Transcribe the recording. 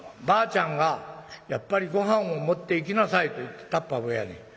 ばあちゃんが『やっぱりごはんも持っていきなさい』と言ってタッパーウェアに。